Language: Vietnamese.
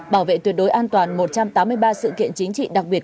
bảo vệ tuyệt đối an toàn một trăm tám mươi ba sự kiện chính trị đặc biệt